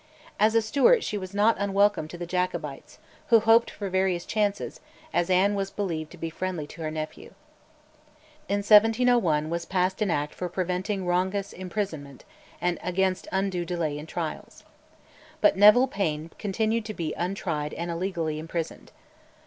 As a Stuart she was not unwelcome to the Jacobites, who hoped for various chances, as Anne was believed to be friendly to her nephew. In 1701 was passed an Act for preventing wrongous imprisonment and against undue delay in trials. But Nevile Payne continued to be untried and illegally imprisoned.